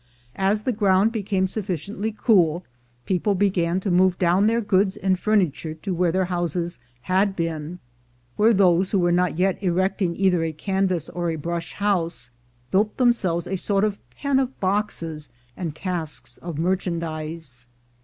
As the ground became sufficiently cool, people began to move down their goods and furniture to where their houses had been, where those who were not yet erecting either a canvas or a brush house, built themselves a sort of pen of boxes and casks of merchandise.